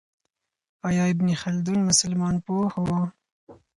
آیا ابن خلدون مسلمان پوه و؟